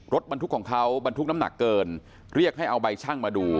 รถบรรทุกของเขาบรรทุกน้ำหนักเกินเรียกให้เอาใบชั่งมาดู